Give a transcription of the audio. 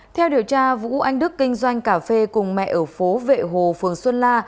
theo điều tra vũ anh đức kinh doanh cà phê cùng mẹ ở phố vệ hồ phường xuân la